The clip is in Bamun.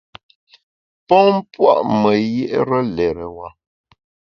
Pon pua’ me yié’re lérewa.